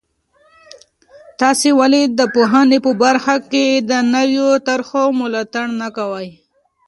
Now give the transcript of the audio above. تاسې ولې د پوهنې په برخه کې د نویو طرحو ملاتړ نه کوئ؟